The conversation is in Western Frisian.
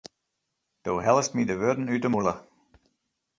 Do hellest my de wurden út de mûle.